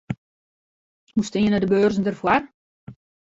Hoe steane de beurzen derfoar?